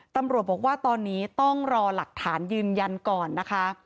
ตำรวจบอกว่าตอนนี้ต้องรอหลักฐานยืนยันก่อนนะคะ